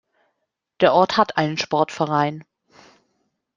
Der Ort hat einen Sportverein.